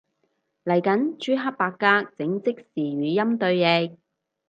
嚟緊朱克伯格整即時語音對譯